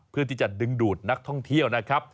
เพื่อที่จะดึงดูดนักท่องเที่ยวนะครับ